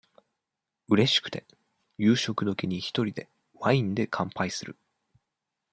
うれしくて、夕食時に一人で、ワインで乾杯する。